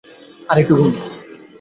আর এখন একটু ঘুম।